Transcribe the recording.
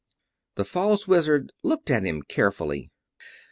The false Wizard looked at him carefully.